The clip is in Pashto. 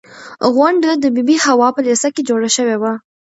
غونډه د بي بي حوا په لېسه کې جوړه شوې وه.